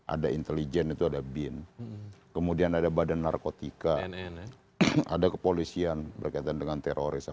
ada intelijen itu ada bin kemudian ada badan narkotika ada kepolisian berkaitan dengan terorisme